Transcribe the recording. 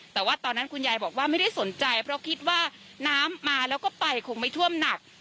แต่ว่าตอนนั้นคุณยายบอกว่าไม่ได้สนใจเพราะคิดว่าน้ำมาแล้วก็ไปคงไม่ท่วมหนัก